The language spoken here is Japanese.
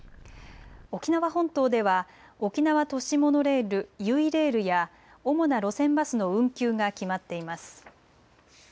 沖縄本島では沖縄都市モノレール・ゆいレールや主な路線バスの運休が決まっています。